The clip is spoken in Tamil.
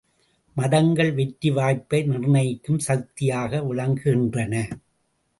மதங்கள் வெற்றி வாய்ப்பை நிர்ணயிக்கும் சக்தியாக விளங்குகின்றன.